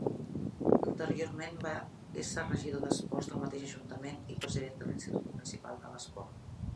Anteriorment va ésser regidor d'esports del mateix ajuntament i president de l'Institut Municipal de l'Esport.